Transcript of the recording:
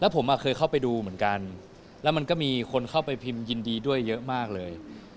ผมเคยเข้าไปดูเหมือนกันแล้วมันก็มีคนเข้าไปพิมพ์ยินดีด้วยเยอะมากเลย